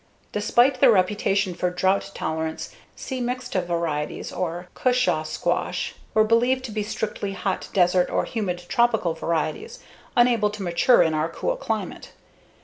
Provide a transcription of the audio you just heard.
Despite their reputation for drought tolerance C. mixta varieties (or cushaw squash) were believed to be strictly hot desert or humid tropical varieties, unable to mature in our cool climate.